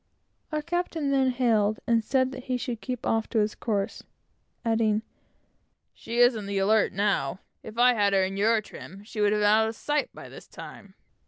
Our captain then hailed, and said that he should keep off to his course; adding "She isn't the Alert now. If I had her in your trim, she would have been out of sight by this time."